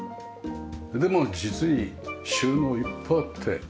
でまあ実に収納いっぱいあって。